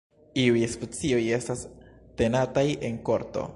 Iuj specioj estas tenataj en korto.